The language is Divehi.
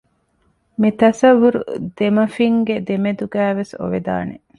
މި ތަޞައްވުރު ދެމަފިންގެ ދެމެދުގައި ވެސް އޮވެދާނެ